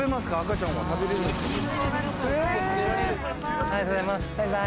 ありがとうございますバイバイ。